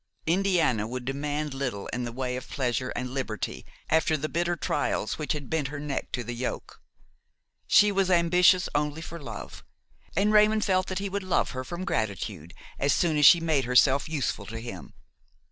Indiana would demand little in the way of pleasure and liberty after the bitter trials which had bent her neck to the yoke. She was ambitious only for love, and Raymon felt that he would love her from gratitude as soon as she made herself useful to him.